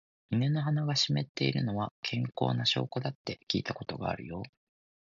犬の鼻が湿っているのは、健康な証拠だって聞いたことあるよ。